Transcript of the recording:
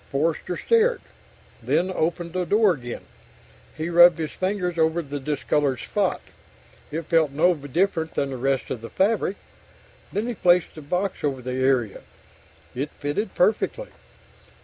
Forster stared, then opened the door again. He rubbed his fingers over the discolored spot; it felt no different than the rest of the fabric. Then he placed the box over the area it fitted perfectly.